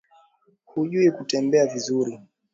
Hajui kutembea vizuri